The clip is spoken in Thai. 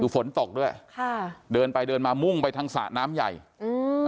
ฝนตกด้วยค่ะเดินไปเดินมามุ่งไปทางสระน้ำใหญ่อืม